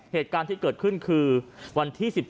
เหตุการณ์ที่เกิดขึ้นคือวันที่๑๗